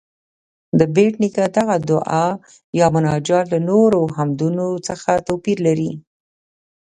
د بېټ نیکه دغه دعا یا مناجات له نورو حمدونو څه توپیر لري؟